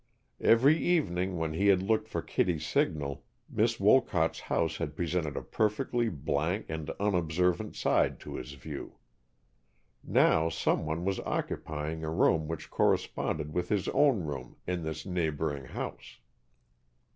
Every evening when he had looked for Kittie's signal. Miss Wolcott's house had presented a perfectly blank and unobservant side to his view. Now some one was occupying a room which corresponded with his own room in this neighboring house.